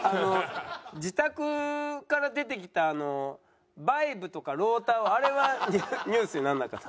自宅から出てきたバイブとかローターはあれはニュースにならなかった？